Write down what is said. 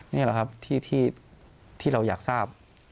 นี่แหละครับที่เราอยากทราบ